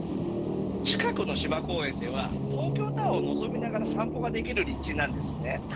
近くの芝公園では東京タワーを望みながら散歩ができるリッチなんです。